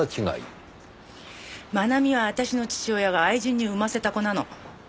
真奈美は私の父親が愛人に産ませた子なの。